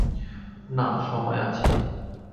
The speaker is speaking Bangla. না, সময় আছে।